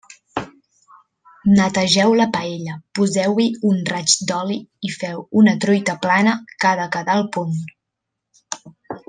Netegeu la paella, poseu-hi un raig d'oli i feu una truita plana que ha de quedar al punt.